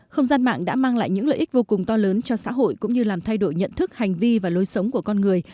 không gian mạng đã mang lại những lợi ích vô cùng to lớn cho xã hội cũng như làm thay đổi nhận thức hành vi và lối sống của con người